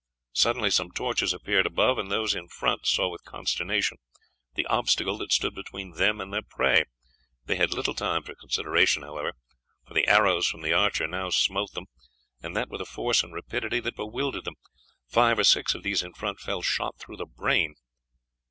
Suddenly some torches appeared above, and those in front saw with consternation the obstacle that stood between them and their prey. They had little time for consideration, however, for the arrows from the archer now smote them, and that with a force and rapidity that bewildered them. Five or six of those in front fell shot through the brain.